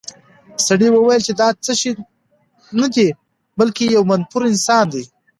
سړي وویل چې دا څه شی نه دی، بلکې یو منفور انسان دی.